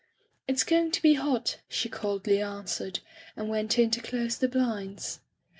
"It's going to be hot,*' she coldly an swered, and went in to close the blinds.